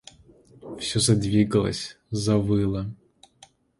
Все задвигалось, завыло;